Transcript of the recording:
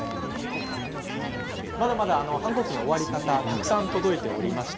まだまだ反抗期の終わり方たくさん届いております。